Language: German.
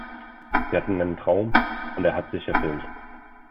Sie hatten einen Traum, und er hat sich erfüllt.